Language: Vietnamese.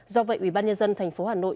do vậy ubnd tp hà nội